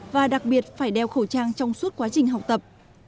và đặc biệt phải đeo khẩu trang trong suốt quá trình học tập